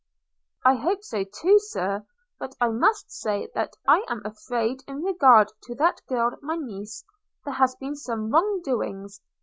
'I hope so too, Sir; but I must say, that I am afraid in regard to that girl, my niece, there has been some wrong doings.